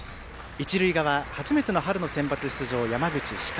一塁側初めての春のセンバツ出場山口・光。